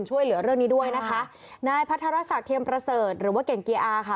ช่วยเหลือเรื่องนี้ด้วยนะคะนายพัทรศักดิเทียมประเสริฐหรือว่าเก่งเกียร์อาค่ะ